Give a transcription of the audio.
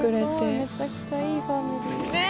めちゃくちゃいいファミリー。